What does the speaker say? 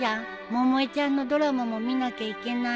百恵ちゃんのドラマも見なきゃいけないし。